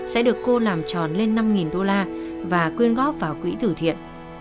sẽ được cô làm tròn lên năm đô la và quyên góp vào quỹ tử thiện